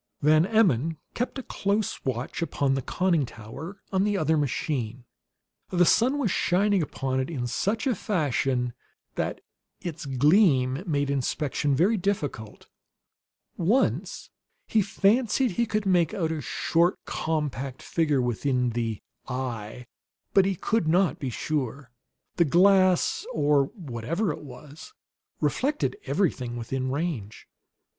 Van Emmon kept a close watch upon the conning tower on the other machine. The sun was shining upon it in such a fashion that its gleam made inspection very difficult. Once he fancied that he could make out a short, compact figure within the "eye"; but he could not be sure. The glass, or whatever it was, reflected everything within range.